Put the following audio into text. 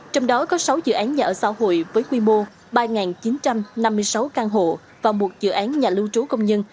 trong đó có sáu dự án nhà ở xã hội với quy mô ba chín trăm năm mươi sáu căn hộ và một dự án nhà lưu trú công nhân